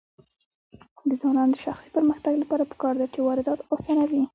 د ځوانانو د شخصي پرمختګ لپاره پکار ده چې واردات اسانوي.